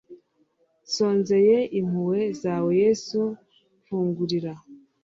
nsonzeye impuhwe zawe yezu mfungurira